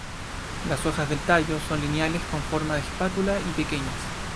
Las hojas del tallo son lineales con forma de espátula y pequeñas.